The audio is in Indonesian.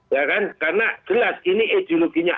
karena jelas ini ideologinya